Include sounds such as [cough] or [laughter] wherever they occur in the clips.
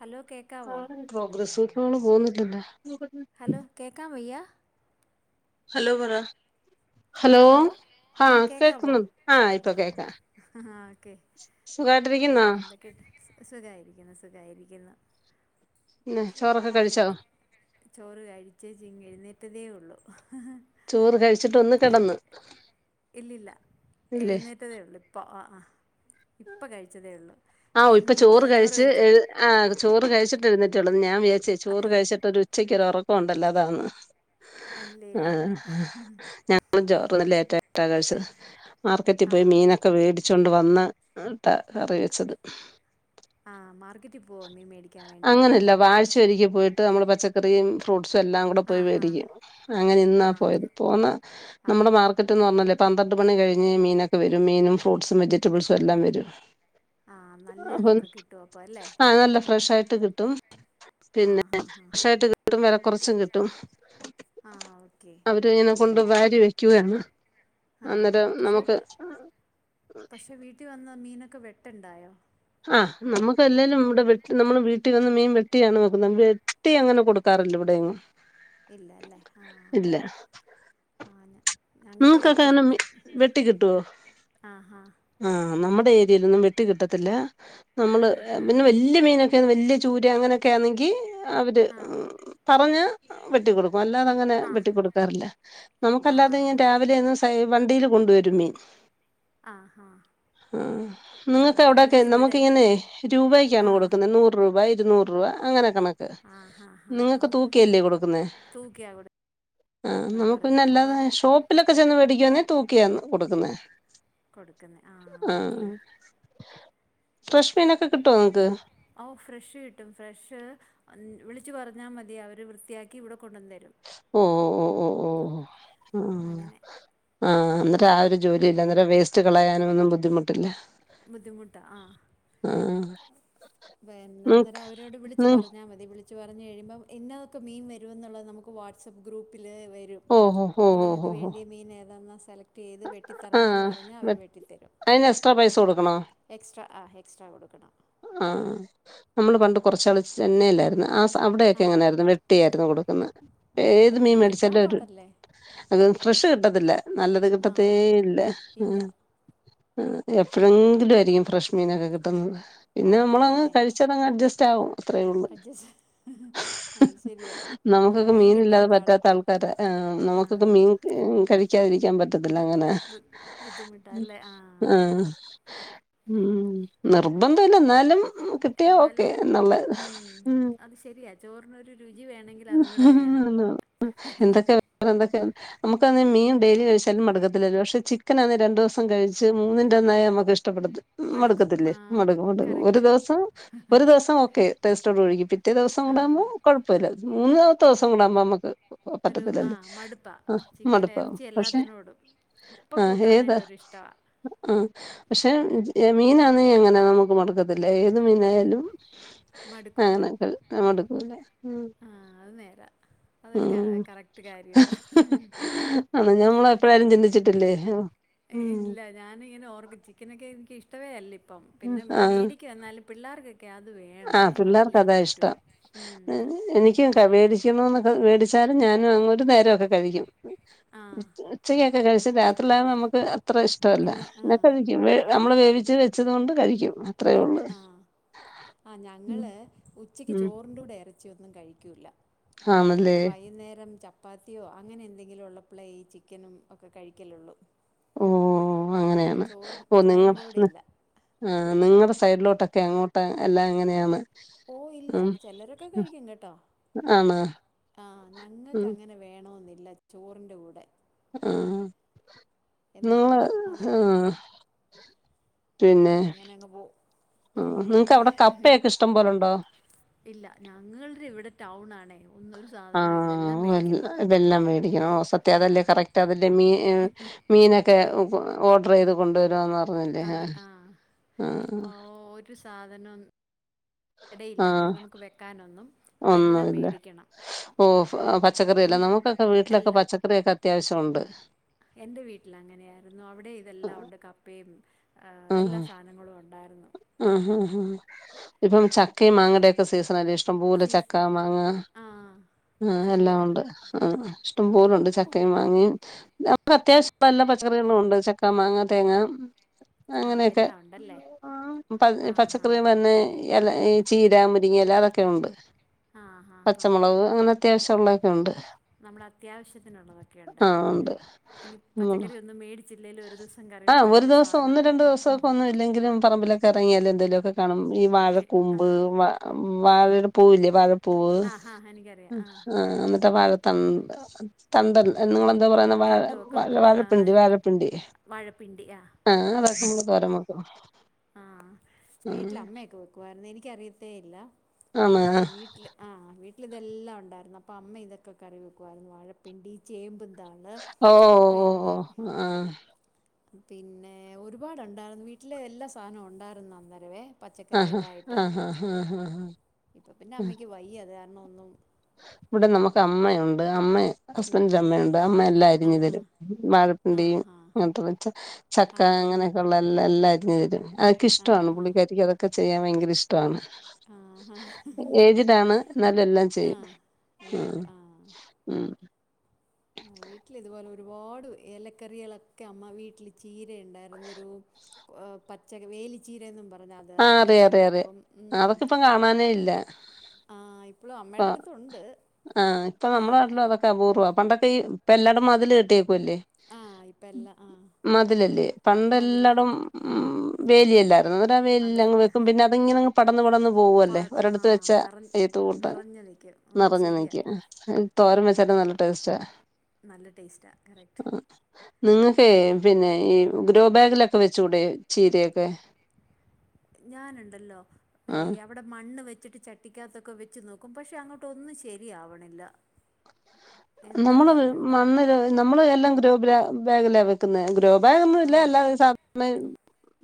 Hello കേക്കാവോ ക progress ഇള് പോന്നിട്ടില്ല ഹലോ കേക്കാം വയ്യാ ഹലോ പരാ ഹലോ ആ കേൾക്കുന്നു ആ ഇപ്പൊ കേക്ക ആ ഓക്കെ ആ, സുഖട്ടിരിക്കുന്നാ എന്തൊക്കെ സുഖമായിരിക്കുന്നു സുഖമായിരിക്കുന്നു പിന്നെ ചോറൊക്കെ എന്ത കഴിച്ചോ ചോറ് കഴിച്ചേ ചിങ്ങ എഴുന്നേറ്റതേ ഉള്ളൂ ഹലോ ചോറ് കഴിച്ചിട്ട ഒന്ന് കിടന്ന് ഇല്ലില്ല ഇല്ലേ ഇപ്പ കഴിച്ചതേ ഉള്ളൂ ആ ഇപ്പൊ എന്താ ചോറ് കഴിച്ചച്ച് കഴിച്ചാ ആ ചോറ് കഴിച്ചിട്ട് എഴുന്നേറ്റുള്ളൂ ഞാ വിയരിച്ചേ ചോറ് അത്രേ കഴിച്ചിട്ട് ഉള്ളൂ ഒരു ഉച്ചയ്ക്ക്റ പോണ്ടല്ലതാണ് ഇല്ല ആ ഇല്ല ഇല്ല ഞങ്ങ ജോറന്നലേറ്റായിട്ട കഴിച്ചത് മാർക്കറ്റ് ആ പോയി മീനൊക്കെ വേടിച്ചോണ്ട് വന്ന് ട്ടാ കറി വെച്ചത് ആ മാർക്കറ്റ് പോവോ മീൻ മേടിക്കാൻ വേണ്ടി ശെരിക്ക് പോയിട്ട് നമ്മള് പച്ചക്കറിയും ഫ്രൂട്ട്സ് ഉം എല്ലാം കൂടെ ആ പോയി ഹാ മേടിക്കും അങ്ങനെ ആ ഇന്നാ പോയത്. അപ്പം പോന്ന ആ നമ്മുടെ മാർക്കറ്റ്ന്ന് പറഞ്ഞാല് പന്ത്രണ്ട് മണി കഴിഞ്ഞ് മീനൊക്കെ വരും മീനും, ഫ്രൂട്ട്സും, വെജിറ്റബിൾസും എല്ലാം വരും. ആ നല്ല ഇതൊക്കെ കിട്ടും അപ്പോൾ അല്ലേ ആ നല്ല ഫ്രഷായിട്ട് കിട്ടും ആഹ് പിന്നെ ഫ്രഷായിട്ട് കിട്ടും വെല കുറച്ച് കിട്ടി ആ ഓക്കെ കൊണ്ട് വാരി വെക്കുവാണ് ആ പക്ഷെ പക്ഷെ വീട്ടി വന്ന മീനൊക്കെ വെ- ട്ടണ്ടായോ [unintelligible] ആ നമ്മക്കല്ലേലും ഇവിടെവെട്ട് നമ്മള് വീട്ടി വന്ന് മീൻ വെട്ടിയാണ് വെക്കുന്നത്. വെട്ടി അങ്ങനെ കൊടുക്കാറില്ല ഇവിടെയൊന്നും. ഇല്ലല്ലേ ആ അങ്ങനെ നിങ്ങക്കൊക്കെ അങ്ങനെ വെട്ടിക്കിട്ടുവോ ആഹ് ആഹ് ആ നമ്മ- ടെ ഏരിയലൊന്നും വെട്ടി കിട്ടത്തില്ല നമ്മള് ഇൽ പിന്നെ ആഹ് വല്ല്യ മീനൊക്കെ പിന്നെ വല്ല്യ ചൂര അങ്ങനെയൊക്കെ ആന്നെങ്കി അവര് ആഹ് പറഞ്ഞ വെട്ടിക്കൊടുക്കും വല്ലാതങ്ങനെ ആഹ് വെട്ടിക്കൊടുക്കാറില്ല നമുക്കല്ലാതെ ആഹ് ഇങ്ങ- അവര് ഒന്ന് സൈ വണ്ടില് കൊണ്ടുവരും മീൻ ആഹ് ആഹ് ആ നിങ്ങക്ക് ആഹ് അവിടൊക്കെ ഞങ്ങൾക്ക് നമുക്ക് ഇവിടെ ഇങ്ങനെ രൂപക്കാണ് ആഹ് കൊടുക്കുന്നത് നൂറ് രൂപ ഇരുന്നൂറ് രൂ അങ്ങനെ നമക് ആഹ് ആഹ് ആഹ് ആഹ് നിങ്ങക്ക് തൂക്കിയല്ലെ കൊടുക്കുന്നെ തൂക്കിയാ ആ കൊടുക്കുന്നും നമുക്ക് പറഞ്ഞ് പിന്നെ അപ്പോൾ അല്ലാതെ അത് ഷോപ്പ് ചെന്ന് വേടിക്കാന്നെ തൂക്കിയന്ന് കൊടുക്കുന്നെ കൊടുക്കുന്നെ ആ ഓക്കേ ഫ്രഷ്മീനൊക്കെ കിട്ടോ നിങ്ങക്ക് ഓ ഫ്രഷ് കിട്ടും ഫ്രഷ് വിളിച്ച് പറഞ്ഞാ മതി അവര് വൃത്തിയാക്കി ഇവിടെ കൊണ്ടന്ന് തരും ഓ ഓ ഓ ആ ആഹ് അങ്ങനെ ആ എന്ന്ട്ട് ആ ഒരു ജോലി ഇല്ലേ അന്നേരം വേസ്റ്റ് കളയാനും ഒന്നും ബുദ്ധിമുട്ടില്ല ബുദ്ധിമുട്ടാ ആ ആ പിന്നെ നിക്ക് അന്നേരം അവരോട് വിളിച്ചു നി പറഞ്ഞാ മതി വിളി [unintelligible] ച്ച് പറഞ് കഴിയുമ്പം ഇന്നതൊക്കെ മീൻ വരു എന്നുള്ളത് നമുക്ക് വാട്സ്ആപ്പ് ഗ്രൂപ്പിൽ വരും ഓഹോ ഹോ അപ്പം ഹോ നമുക്ക് ഹോ ഹോ വേണ്ടിയെ മീൻ ഏതാന്ന് [unintelligible] ഏത് ആ വെട്ടിത്തരണോന്ന് പറഞ്ഞാ അവർ വെട്ടിത്തരും അതിന് എക്സ്ട്രാ പൈസ കൊടുക്കണോ എക്സ്ട്രാ ആ എക്സ്ട്രാ കൊടുക്കണം നമ്മള് പണ്ട് കുറച്ചാൾ ചെന്നൈല്ലായിരുന്നു ആ ആ അവിടെയക്കെ എങ്ങനെയായിരുന്നു വെട്ടിയ ട്ടന്ന കൊടുക്കുന്നെ അവിടെ ഏത് മീൻ കിട്ടാൻ മെടിച്ചാലവര് പാടല്ലേ അത് ഫ്രഷ് കിട്ടത്തില്ല നല്ലത് ആ തേ ഇല്ല ഹേ ഇല്ല ആ എപ്പോഴെങ്കിലും ആയിരിക്കും ഫ്രഷ്മീനൊക്കെ കിട്ടുന്നത് പിന്നെ അത് നമ്മളങ് തന്നെ കഴിച്ചതങ് അഡ്ജസ്റ്റ് ത്തൗ അത്രേ ഒള്ളു അഡ്ജസ്റ്റ് അത് ശരിയാ ആ നമക്കൊക്കെ മീൻ കിട്ടാൻ മീനില്ലാതെ പാടാ പറ്റാത്ത ആൾക്കാര ആ ആ നമ്മുക്കൊക്കെ മീൻ കഴി ക്കാതിരിക്കാൻ പറ്റ് അല്ലങ്ങനെ ബു ഹ് ബുദ്ധിമുട്ടാല്ലേ ആ ഉം നിർബന്ധ ഇല്ല എന്നാലും കിട്ടിയാ ഓക്കെ എന്നാലും എന്നുള്ള ഉം അത് ശരിയാ ചോറിനൊരു രുചി വേണെങ്കിൽ അതും കൂടെ വേണം നമുക്ക് ആണേ മീൻ ഡെയിലി കഴിച്ച ചെൽമടക്കത്തിലല്ലേ പക്ഷെ ചിക്കൻ ആന്ന് രണ്ട് ദിവസം കഴിച്ച് മൂന്നിന്റെ ഒന്നായി നമുക്ക് ഇഷ്ടം ഇഷ്ടപ്പെടതി മടുക്കും മടുക്കത്തില്ലേ ആ മടുക് മടുക്കും ഒരു കറക്റ്റ് ദിവസം ഒരു ദിവസം ഒക്കെ ടെസ്റ്റോ ഒഴുകിട്ട് ഒറ്റേ ആ ദിവസകുടാവുമ്പോ കുഴപുല്ല മൂന്നാമത്തെ ദിവസം കൂടാവുമ്പോ നമക്ക് ഒരു ആ പറ്റത്തിലല്ലേ ആ മടുപ്പാവും പക്ഷെ അപ്പ ആഹ് ഏതാ കൂട്ടാനായിട്ടൊരിഷ്ട ആഹ് പക്ഷെ എ മീനാണെ എങ്ങനെ നമുക്ക് മടക്ക അതില ഏത് മീനായാലും ആ മടുക്കൂല്ല നമ്മക്ക് മടക്കൂല ആ അത് നേരാ അതൊരു ക കറക്റ്റ് കാര്യവാ ആ ഞമ്മള ഇപ്പഴും ചിന്തിച്ചിട്ടില്ലേ ഉം ഇല്ല ഞാനിങ്ങനെ ഓർക്കും ചിക്കനൊക്കെ എനിക്ക് ഇഷ്ട ഇഷ്ട്ടമേ അല്ല ഇ പ്പം പിന്നെ മേടിക്കും എന്നാലും പിള്ളാർക്ക് ആ പിള്ളേർക്കതാ ഇഷ്ടം ഉം എനിക്കും മേടിക്കണൊന്ന് മേടിച്ചാലും ഞാനും അങ്ങ് ഒരു നേരമൊക്കെ കഴിക്കും ആ ഉച്ചയെ ക്കെ കഴിച്ച് രാത്രിലാണ് നമുക്ക് അത്ര ഇഷ്ടല്ല പിന്നെ കഴിക്കും നമ്മള് വേവിച്ച് വെച്ചത് കൊണ്ട് കഴിക്കും അത്രയുള്ളൂ ആ ഞങ്ങള് ഉച്ചക്ക് ഉം ചോറിന്റെ കൂടെ എറ എറച്ചിയൊന്നും കഴിക്കുല്ല വേണ്ട ആണല്ലേ വൈകുന്നേരം ചപ്പ ചപ്പാത്തിയോ അങ്ങനെ എന്തെങ്കിലും ഉള്ളപ്പളേ ഈ ചിക്കനും ഒക്കെ കഴിക്കലൊള്ളൂ ഓ ഓ അങ്ങനെയാണ് ഓ നിങ്ങള് ചോറിന്റെ കൂടെ നി ഇല്ല ആ നിങ്ങളടെ സൈഡിലോട്ട് ക്കെ അങ്ങോട്ട് എല്ലാം ഇങ്ങനെയാണ് ഓ ഇല്ല ചിലരൊക്കെ കഴിക്കും കെട്ടൊ ആണ് ആ ഞങ്ങക്ക് ഉം അങ്ങനെ വേണെന്നില്ല ന്നില്ല ചോറിന്റെ കൂടെ ആ എന്തോ നാളെ അതെ ആഹ് അങ്ങനെ അങ്ങ് പോകും ഉം നിങ്ങക്ക് അവിടെ കപ്പയൊക്കെ ഇഷ്ടം പോലുണ്ടോ ഇല്ല ഞങ്ങളടെ ഇവിടെ ടൗൺ ആണ് ണേ ആ വ ഇതെല്ലാം മേടിക്കണം ഓ സത്യം അതെല്ലേ ആഹ് കറക്റ്റ് അതെല്ലേ മീ മീനൊക്കെ ഓർഡർ ചെയ്ത് കൊണ്ടുവരാമന്നറ അതെ ആ ഓ ഒരു സാധ ധനം എടയില്ല അങ്ങനെ നമുക്ക് വെക്കാനൊന്നും അപ്പം എല്ലാം ഒന്നുംഇല്ല മേടിക്കണം ഓ പച്ചക്കറിയില്ല എൻ്റെ നമുക്കൊക്കെ വീട്ടിലൊക്കെ പച്ചക്കറിയെക്കെ അത്യാവശ്യമൊണ്ട് എന്റെ വീട്ടിൽ അങ്ങനെയായിരുന്നു അവിടെ ഇതെല്ലാം ഉണ്ട് കപ്പയും ആഹ് എല്ലാ സാധനങ്ങളും ഉണ്ടായി ആഹാ ആ ഇപ്പം ച ക്കയും മാങ്ങേടെക്കെ സീസണല്ലെ ഇഷ്ടം പോലെ സീസ് ചക്ക മാങ്ങ ആഹ് ആ എല്ലാം ശരിയാ ഉണ്ട് ആ ഇഷ്ടം പോലുണ്ട് ചക്കയും മാങ്ങയും നമുക്ക് അത്യാവശ്യം നല്ല പച്ചക്കറികളും ഉണ്ട് ചക്ക മാങ്ങ തേങ്ങ ആ എല്ലാം ഒണ്ടല്ലേ ആ പപച്ചക്കറേളന്നെ എൽ അയ് ചീര മു രിങ്ങേല അതൊക്കെ ഉണ്ട് ആഹ് ആഹ് ആഹ് പച്ചമുളക്അങ്ങനെ അത്യാവശ്യ ഒള്ളൊതൊക്കെ ഉണ്ട് നമ്മുടെ അത്യാവശ്യത്തിനുള്ളതൊക്കെയുണ്ട് ആ ഉണ്ട് ഇനി ഉം പച്ചക്കറി ഒന്നും മേടിച്ചില്ലേലും ഒരു ദിവസം കറി ആ ഒരു വെക്കാനുള്ള ദിവസം സാധനം ഒന്നും രണ്ടു ദിവസമൊക്കെ ഒന്നും ഇല്ലെങ്കിലും പറമ്പിലൊക്കെ ഇറങ്ങിയാലെന്തേലൊക്കെ കാണും ഈ ഒക്കെ വഴക്കൂമ്പ് ആഹ് വ മ് വാഴയുടെ പൂവില്ലേ വാഴ പൂവ് ആഹ് ആഹ് എനിക്കറിയാം ഉം ആഹ് ആ എന്നിട്ട വാഴ തണ്ട് തണ്ട് അൽ നിങ്ങളെന്താ പറയുന്ന കണ്ടു ഒക്കെ വാഴവാഴ വെക്കും ആ വാഴപ്പിണ്ടി വാഴ പ്പിണ്ടി ആ [inaudible] തോരൻ വെക്കോ ആ വീട്ടിലമ്മയൊക്കെ വെക്കുവാരുന്നു എനി ക്കറിയത്തേ ഇല്ല ആണോ ആ വീട്ടില് ആവീ ഇതെല്ലാ ഒണ്ടായിരുന്നു അപ്പൊ അമ്മ ഇതൊക്കെ കറി വെക്കുവായിരുന്നു വാ ഴപ്പിണ്ടി ചേമ്പ് ഓ ഓ ഓ ആ പിന്നെ ഒരുപാടൊണ്ടാരുന്നു വീട്ടില് എല്ലാ സാധനോം ഒണ്ടാരുന്നു അന്നേരവേ അഹ ആ ഹാ ഹാ ഹാ ഹാ പിന്നമ്മക്ക് വയ്യ ത് കാരണ ഒന്നും ഇവിടെ നമുക്ക് അമ്മയുണ്ട് അമ്മെ ഉം ഹസ്ബന്റിന്റെ അമ്മയുണ്ട് അമ്മ എല്ലാ ആ അരിഞ്ഞു ഹാ തരും ആ വാഴപ്പിണ്ടിയിം ഹാ അങ്ങനത്തെ ചക്ക ആ അരിഞ്ഞ് അങ്ങനെയൊക്കെ ഉള്ള എല്ലാ എല്ലാരി [unintelligible] അതൊക്കെ ആ ഇഷ്ടാണ് ഹാ പുള്ളിക്കാരിക്ക് അതൊക്കെ ചെയ്യാൻ ഭയങ്ക ഇഷ്ടാണ് ആ ഹാ ഏജ്ടാണ് ന്നാലും എല്ലാം ചെയ്യും ആഹ് എന്നാലും ഉം ആ ഉം വീട്ടില ഇതുപോലെ ഒരുപാട് ഏലക്കറികളൊക്കെ അമ്മ വീട്ടില് ചീര ണ്ടായിരുന്നു ഒരു പച്ച വേലിച്ചീരന്നും പറഞ്ഞ് അത് ആ അത് അറിയാം കറി റിയാം റിയാം വെക്കും ഉം അതൊക്കെ ഇപ്പം കാണാനേ ഇല്ല ആഹ് ഇപ്പളും ആ അമ്മയുടെ അടുത്തുണ്ട് ആ ഇപ്പൊ നമ്മുടെ നാട്ടിലൊക്കെ അതൊക്കെ അപൂർവ്വ പണ്ടൊക്ക ഈ ഇപ്പൊ എല്ലാടം മതിൽ കെട്ടി വല്ലേ ആഹ് ഇപ്പം എല്ലാം ആഹ് മതിലല്ലേ മതില പണ്ടെല്ലാടം ഉം വേലിയല്ലായിരുന്നൊ [unintelligible] അതെ അങ് വെക്കും പിന്നെ അതിങ്ങനങ് പടന്ന് പടന്ന് പ പോവല്ലേ ഒരിടത്ത് ആഹ് വെച്ച നിറഞ്ഞ് ഏത്ത് കൂട്ട് നിറഞ്ഞ് നിൽക്കും ഉം നിറഞ്ഞു ശരിയാ നിക്കും തോരൻ വെച്ചാലും നല്ല ടേസ്റ്റാ നല്ല ടേസ്റ്റാ കറക്റ്റ് നിങ്ങൾക്കേ പിന്നെ ഈ ഗ്രോ ബാഗിലൊക്കെ വെച്ചൂടെ ചീരയൊക്കെ ഞാനുണ്ടല്ലോ ആഹ് യവിടെ മണ്ണ് വെ ച്ചിട്ട് ചട്ടിക്കകത്തൊക്കെ വെച്ച് നോക്കും പക്ഷെ അങ്ങോട്ട് ഒന്നും ശരിയാവണില്ല നമ്മള് എന്താന്നറിഞ്ഞൂടാ മണ്ണിൽ നമ്മള് എല്ലാം ഗ്രോ ബാഗിലാ വെക്കുന്നെ ഗ്രോ ഗ്രോ ബേഗ് ഒന്നും ഇല്ലേ ആഹ് [unintelligible]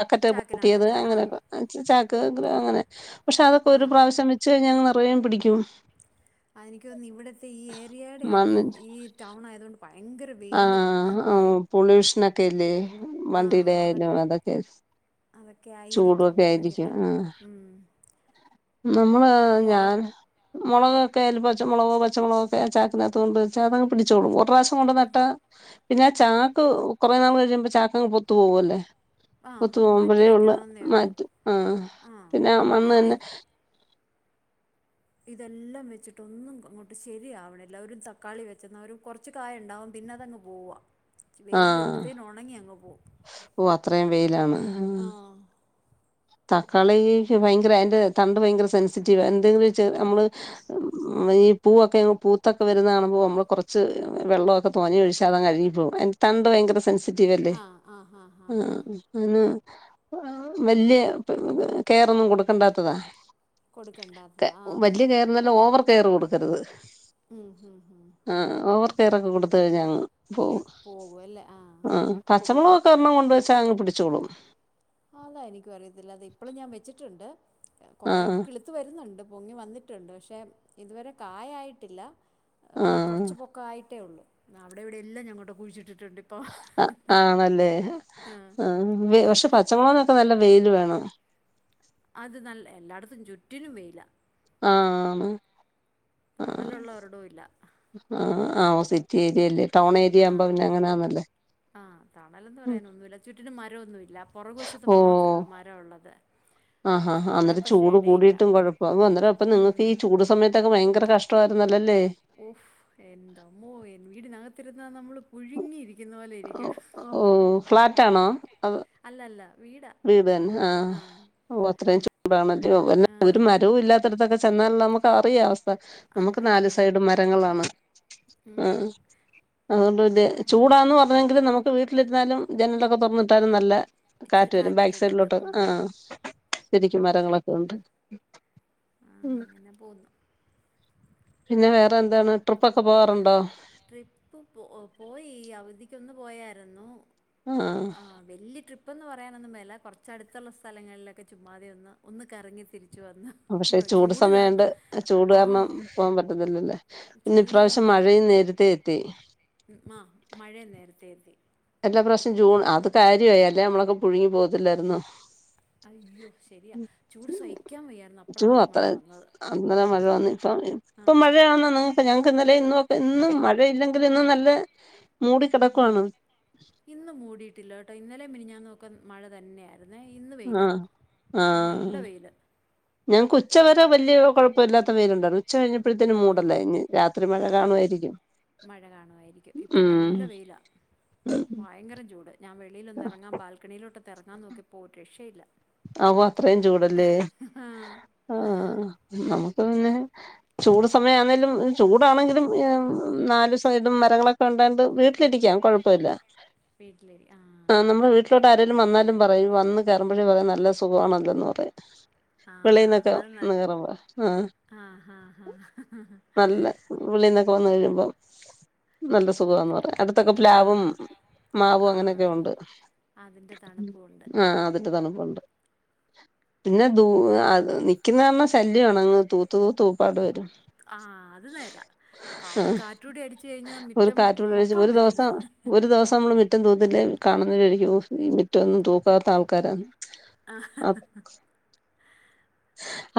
ബക്കറ്റ് പൊട്ടിയത് ചാക്കിനകത്തൊക്കെ ആഹ് അങ്ങനെക്ക [unintelligible] ചാക്ക് ഗ്രൊ അങ്ങനെ പക്ഷെ അതൊക്കെ ഒരു ആഹ് പ്രാവശ്യം വച്ച് കഴിഞ്ഞാ [unintelligible] [unintelligible] പിടിക്കും എവിടെയാണോ മണ്ണ് ഈ ടൗൺ ആയതുകൊണ്ട് ഭയങ്കര ആ വെയിലുവാണ് [unintelligible] പൊളൂഷ നക്കെ ല്ലേ ആഹ് വണ്ടീടെ അതൊ ആയാലും അതൊക്കെ അതൊക്കെ ചൂടു ആയിരിക്കാം ഒക്കെ എനിക്ക് ആയിരിക്കും മ് ഉം നമ്മള് ഞാൻ മുളകൊക്കെ [unintelligible] പച്ച മുളകോ പച്ചമുളുകോ ഒക്കെ ചാക്കക്കിനകത്തുകൊണ്ട് വെച്ച അത് അങ് പിടിച്ചോളും ഒരു പ്രാവശ്യം കൊണ്ട് ന ട്ടാ പിന്നെ ആ ചാക്ക് കുറെ നാൾ കഴിയുമ്പ ചാക്കങ്ങ് പൊത്തു പോകുവല്ലേ ആഹ് കൊത്ത് മാറ്റി പോകുമ്പഴേ ഒള്ള് വെക്കണമെന്നേ ഉള്ളൂ മഴത്ത് ആ ആഹ് പിന്നെ മണ്ണ് ഞാൻ ഇ തന്നെ ഇതെല്ലാം വെച്ചിട്ടൊന്നും അങ്ങോട്ട് ശരിയാവ്ണില്ല ഒരു തക്കാളി വെച്ചെന്നാൽ ഒര് കുറച്ച് കായ ഉണ്ടാകും പിന്നെ അതങ്ങ് പോവാ ആ വെയില് വരുമ്പത്തേന് ഉണങ്ങി അങ് പോവും ഓ അത്രയും വെയിലാണ് ആഹ് തക്കാളിക്ക് ഭയങ്കര അതിന്റെ തണ്ട് ഭയങ്കര സെൻസിറ്റീവ് എന്തെങ്കിലും ചെർ ഞമ്മള് ഈ പൂവൊക്കെ അങ് പൂത്തൊക്കെ വരുന്ന കാണുമ്പോൾ നമ്മള് കുറച്ച് വെള്ളമൊക്കെ തോനെ ഒഴിച്ച അത് അങ്ങ് അഴുകി പോകും അതിന്റെ തണ്ട് ഭയങ്കര സെൻസി റ്റീവല്ലേ ആഹ് ആഹ് ആഹ് ആ ആഹ് ആഹ് ആ ആ വല്യ കെയറൊന്നും കൊടുക്കണ്ടാത്തതാ ക്കെ കൊടുക്കണ്ടാത്തതാ ആഹ് വല്യ കെയറന്നല്ല ഓവർ കെയർ കൊടുക്കര്ത് ഉം ഹും ഹും കെയറൊക്കെ കൊടുത്ത് കഴിഞ്ഞ അങ് ഓ പോകും അല്ലേ ആ പച്ച മുളക ക്കൊരണ്ണം കൊണ്ട് വെച്ചാ അങ്ങ് പിടിച്ചോളും അതാ എനിക്കും അറിയത്തില്ലാത്തെ ഇപ്പളും ഞാൻ വെച്ചിട്ടുണ്ട്. ആ കൊറെയൊക്കെ കിളുത്ത് വരുന്നുണ്ട്. പൊങ്ങി വന്നിട്ടുണ്ട് പക്ഷെ ഇതുവരെ കായായിട്ടില്ല. ആ ഒരു കുറച്ചു പൊക്ക ആയിട്ടേ ഉള്ളൂ. ന്നവിടെവിടെ എല്ലാം ഞാൻ കൊണ്ടോയി കുഴിച്ചിട്ട് ആഹ് ആണല്ലേ ആ അം പക്ഷെ പച്ചമുളകെ ക്ക നല്ല വെയില് വേണം. അത് നല്ല എല്ലാടത്തും ചുറ്റിനും വെയിലാ. ആന്ന് തണലുള്ള ഒരിടവും ഇല്ല. ആഹ് ആഓ സിറ്റി ഏരിയല്ലേ. ടൗൺ ആ ഏരിയ ആവുമ്പോ പിന്നെ അങ്ങനാന്നല്ലേ. ആ തണലെന്ന് ഉം. പറയാനൊന്നുല്ല ചുറ്റിന് മരമൊന്നുമില്ല. പുറകുവശത്ത് മാത്രേള്ളൂ മരഉള്ളത്. ആ ഹ ഹാ ന്നിട്ട് ചൂട് ഇടയില്ല കൂടിയിട്ടും കുഴപ്പം അവു അന്നര അപ്പ ഉം നിങ്ങൾക്ക് ഈ ചൂട് സമയത്തൊക്കെ ഭയങ്കര കഷ് ടാര്ന്നലെൽ ഓഹ് എന്റ മ്മോ എൻ വീട്നക ത്തിരുന്നാ നമ്മള് പുഴുങ്ങിയിരി ക്ക്ന്ന പോലെ ഓ ഇരിക്കും. ഓ, ഹ് ഫ്ലാറ്റാണോ ഹ് അത് അല്ലല്ല വീട് തന്നെ ആ ഓ അത്രയും ചൂ ടാണ്. അയ്യോ [unintelligible] ആ ഒരു മരവു ഇല്ലാത്തട്ത്തൊക്കെ ചെന്നാൽ നമു അറിയാ അവസ് അതെ നമുക്ക് ആ നാല് സൈഡും മരങ്ങളാണ്. ആ ഉം. അതൊണ്ട് വല്ല്യ ചൂടാന്ന് പറഞ്ഞെങ്കിലു നമു വീട്ടിലിര്ന്നാലും ജനലൊക്കെ തൊർ ന്ന്ട്ടാലും നല്ല ഇച്ചിരി കാറ്റ് വരും ബാക്ക് കാറ്റൊക്കെ കിട്ടും സൈഡിലോട്ട് ആഹ് ഉം. ആഹ് ശെരി. മരങ്ങളൊക്കെ ഉണ്ട്. ആ അ അങ്ങനെ പോകുന്നു പിന്നെ വേറെ എന്താണ് ട്രിപ്പ് ഒ ക്ക പോവാറ്ണ്ടോ? ട്രിപ്പ് പോ പോയി അവധിക്കൊന്ന് പോയര്ന്നു ആഹ് വലിയ ട്രിപ്പ് ഇപ്പന്ന് പറയാനൊന്നും മേല കുറച്ചടുത്തുള്ള സ്ഥലങ്ങളിലൊക്കെ ചുമ്മാതയ ഒന്ന് ഒന്ന് കറങ്ങി തിരി പക്ഷെ ചൂട് സമയണ്ട് ചൂട് ആ കാരണം പോകാൻ പറ്റത്തില്ലല്ലേ പിന്നെ ഇപ്രാവശ്യം മഴ ഉ ആഹ മഴയ നേരത്തെേത് [unintelligible] ത്തി [unintelligible] നല്ല പ്രശ്ംൂ അത് കാര്യമായി അല്ലേ നമ്മളൊക്കെ പുഴുങ്ങി പോത്തില്ലായിരരുന്നു അയ്യോ ശരിയാ ചൂട് സഹിക്കാൻ വയ്യായിരുന്നു അപ്പോഴാ ൂ ഒരു അത്ര മഴ വന്നത് അന്നലെ മഴ വന്നു ഇപ്പ ആ ഇപ്പ മഴ വന്നാ നി ഞങ്ങക്ക് ഇന്നല ഇന്ന് ഇന്നും മഴയില്ലെങ്കിൽ ഇന്നും നല്ല മൂടി കിടക്കുവാണ് ഇന്ന് മൂടിയിട്ടില്ല കേട്ടോ ഇന്നലെ മ ഞാൻ നോക്ക ഒക്കെ മഴ തന്നെയായിരുന്നു ുന്ന ഇന്ന് വെയിലാ ആഹ് ഇപ്പൊ ആഹ് നല്ല വെയില് ഞങ്ങക്ക് ഉച്ച വരെ വലിയ കുഴപ്പമില്ലാത്ത വെയിലുണ്ടായിരുന്നു കഴിഞ്ഞപ്പോഴേന് ആ മൂടലായി അ രാത്രി മഴ കാണുമായിരിക്കും മഴ കാണുുവായിരിക്കും ഇപ്പൊ ഉം നല്ല വെയിലാ ഭയങ്കരം ചൂട് ഞാൻ വെളിയിലൊന്ന് ഇറങ്ങാൻ ബാൽക്കണിയിലോട്ട് ഇറങ്ങാൻ നോക്കിപ്പോ ഒരു രക്ഷയില്ല അപ്പ അത്രയും ചൂടല്ലേ ആ ആ നമുക്ക് പിന്നെ ചൂട് സമയം ആണെേലും ചൂടാണെങ്കിലും നാലല് സൈഡും മരങ്ങളൊക്കെ ഉണ്ടായണ്ട് വീട്ടിലിരിക്കാം കുഴപ്പമില്ല വീട്ടില ആഹ [unintelligible] ഇഷോട്ട് ആേും വാലുംയുംൂ വന്ന് കറുമ്പഴ പറ [unintelligible] നല്ല സുഖമാണല്ലോന്ന് പറയാ ആ വിെളിന്നൊക്കെ അത് ന ഒന്ന് കേയറുമ്പോ ആ ആ ഹാ ഹാ നല്ല വിളിന്നൊക്കെ വന്ന് കഴുമ്പോ അ നല്ല സുഖന്ന് പറയാം അടുത്തൊക്കെ ആ പ്ലാവും മാവുംവും ആ അങ്ങനെയൊക്കെ ഹാ ഉണ്ട് അതിൻ്റെ തണുപ്പുമുണ്ട് ആ അതിന്റെ തണുപ്പുണ്ട് പിന്നെ ദൂ നിക്കുന്ന പറഞ്ഞ ശല്യം വണങ്ങ് തൂത്ത തൂത്ത്ൂപ്പാട് വരും ആഹ അത് നേരാ കാ ഒരു ആഹ് കാറ്റൂടി അടിിച്ച കഴിഞ്ഞാൽ ഒരു മറ്റം കാറ്റൂടെ നോക്കാൻ പറ്റൂല മുറ്റം തൂതില്ല കാണുന്ന കഴിക്കൂ മറ്റൊന്നും തൂക്കാത്ത ആൾക്കാരാാണ് ആഹ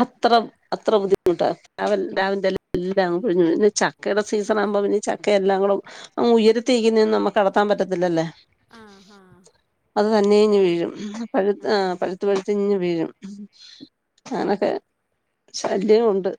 അത്ര അത്ര ബുദ്ധിമുട്ട് പിലാവിന്റി എല്ലാംഴ ചക്കെടെ സിസൺ ആകുമ്പോൾ അവരെ ഈ ചക്ക- എല്ലാംും ഉയരത്തിരിക്കുന്നന്ന് നമ്മുക്ക് അടത്താൻ പറ്റത്തില്ലല്ലേ ആ ആ അത് തന്നെ ഇഞ്ഞ് എൽ വീഴും പഴു ആ പഴുത്ത പഴുത്തി ഇഞ്ഞ് വീഴും ഉം അങ്ങനൊക്കെ ശല്യംുണ്ട്